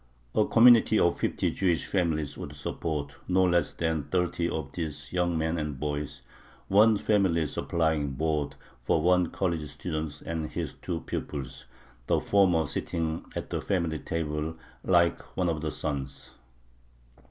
A community of fifty Jewish families would support no less than thirty of these young men and boys, one family supplying board for one college student and his two pupils, the former sitting at the family table like one of the sons....